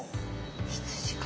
羊か。